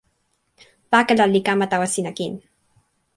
pakala li kama tawa sina kin.